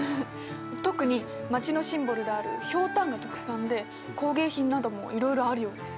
特に町のシンボルであるひょうたんが特産で工芸品などもいろいろあるようです。